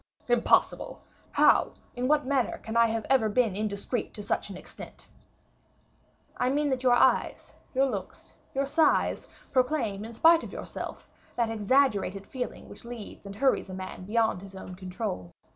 "Impossible! How, in what manner can I have ever been indiscreet to such an extent?" "I mean, that your eyes, your looks, your sighs, proclaim, in spite of yourself, that exaggerated feeling which leads and hurries a man beyond his own control.